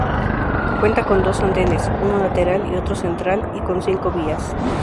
Cuenta con dos andenes, uno lateral y otro central y con cinco vías.